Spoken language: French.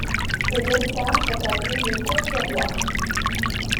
Ses habitants sont appelés les Courzerois.